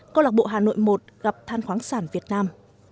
câu lạc bộ hà nội một gặp than khoáng sản việt nam